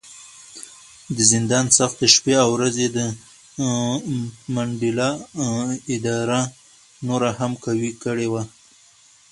د زندان سختې شپې او ورځې د منډېلا اراده نوره هم قوي کړې وه.